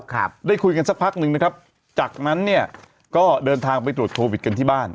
ครับได้คุยกันสักพักหนึ่งนะครับจากนั้นเนี่ยก็เดินทางไปตรวจโควิดกันที่บ้าน